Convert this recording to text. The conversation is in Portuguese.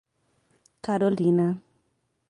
Carolina